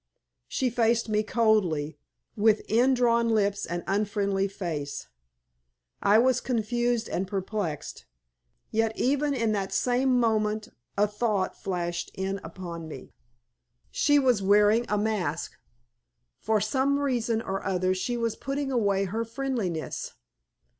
She faced me coldly, with indrawn lips and unfriendly face. I was confused and perplexed; yet even in that same moment a thought flashed in upon me. She was wearing a mask. For some reason or other she was putting away her friendliness.